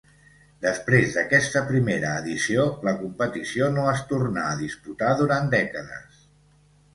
Després d'aquesta primera edició la competició no es tornà a disputar durant dècades.